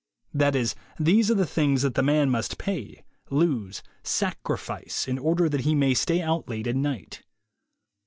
That is, these are the things that the man must pay, lose, sacrifice, in order that he may stay out late at night.